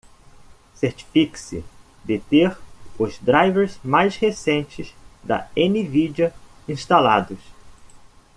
Certifique-se de ter os drivers mais recentes da Nvidia instalados.